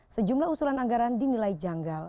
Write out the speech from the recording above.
sejumlah usulan anggaran dinilai janggal